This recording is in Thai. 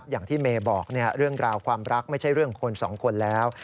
อย่างที่เมย์บอกเรื่องราวความรักไม่ใช่เรื่องคนสองคนแล้ว